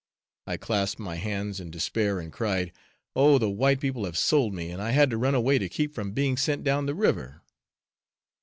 I clasped my hands in despair and cried, "Oh! the white people have sold me, and I had to run away to keep from being sent down the river."